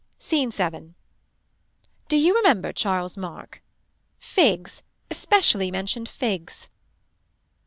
SCENE 7. Do you remember Charles Mark. Figs. Especially mentioned figs.